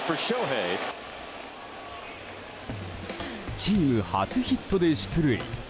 チーム初ヒットで出塁。